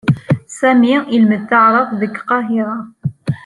Sami ilmed taɛrabt deg Qahiṛa.